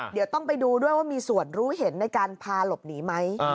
เดี๋ยวต้องไปดูด้วยว่ามีส่วนรู้เห็นในการพาหลบหนีไหม